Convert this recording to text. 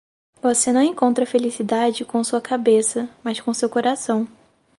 Você não encontra felicidade com sua cabeça, mas com seu coração.